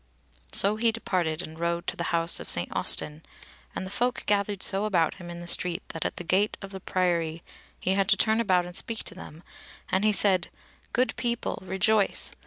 So he departed and rode to the House of St. Austin, and the folk gathered so about him in the street that at the gate of the Priory he had to turn about and speak to them; and he said: "Good people, rejoice!